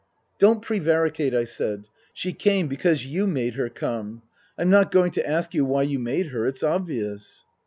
" Don't prevaricate," I said. " She came because you made her come. I'm not going to ask you why you made her. It's obvious."